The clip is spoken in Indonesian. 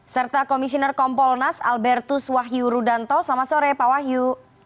serta komisiner kompol nas albertus wahyu rudanto selamat sore pak wahyu